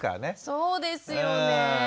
そうですよねえ。